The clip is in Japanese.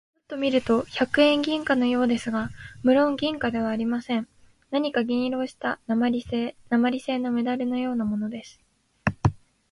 ちょっと見ると百円銀貨のようですが、むろん銀貨ではありません。何か銀色をした鉛製なまりせいのメダルのようなものです。